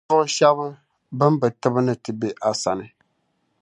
ninvuɣ’ shɛb’ bɛn be tibi ni ti be a sani.